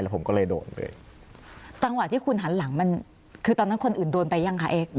ผมก็เลยโดนไปจังหวะที่คุณหันหลังมันคือตอนนั้นคนอื่นโดนไปยังคะเอ็กซ